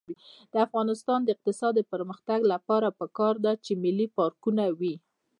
د افغانستان د اقتصادي پرمختګ لپاره پکار ده چې ملي پارکونه وي.